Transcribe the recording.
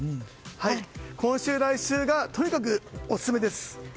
今週、来週がとにかくオススメです。